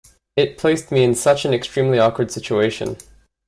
It placed me in such an extremely awkward situation.